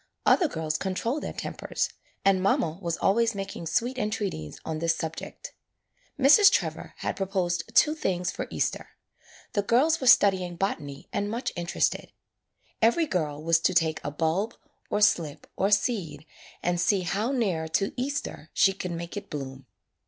Other girls controlled their tem pers. And mamma was always making sweet entreaties on this subject. Mrs. Trevor had proposed two things for Easter. The girls were studying botany and much interested. Every girl was to take a bulb, or slip, or seed and see how near to Easter she could make it bloom.